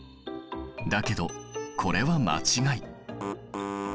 だけどこれは間違い。